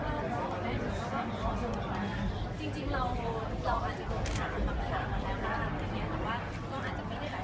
จริงเราอาจจะโดนขามากแล้วนะครับเนี่ยแต่ว่าก็อาจจะไม่ได้แบบนี้ขนาดนี้